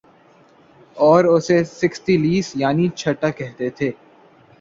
اور اسے سیکستیلیس یعنی چھٹا کہتے تھے